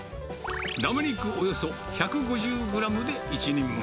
ラム肉およそ１５０グラムで１人前。